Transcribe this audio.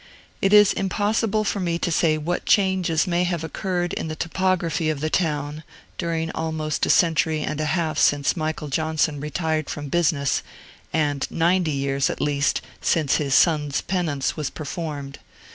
It is impossible for me to say what changes may have occurred in the topography of the town, during almost a century and a half since Michael Johnson retired from business, and ninety years, at least, since his son's penance was performed.